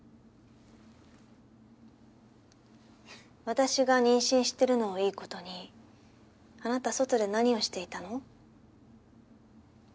私が妊娠してるのをいいことにあなた外で何をしていたの？